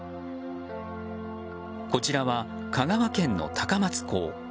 こちらは、香川県の高松港。